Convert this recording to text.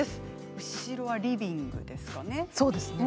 後ろはリビングですか？